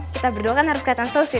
kita berdua kan harus kaitan sosmed